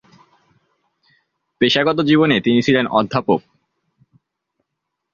পেশাগত জীবনে তিনি ছিলেন অধ্যাপক।